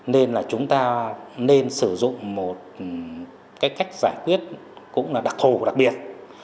nên là chúng ta nên sử dụng một cách giải quyết cũng là đặc thù đặc biệt